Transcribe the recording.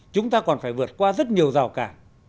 chúng ta còn phải vượt qua rất nhiều rào cản